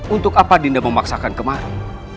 untuk apa dinda memaksakan kemari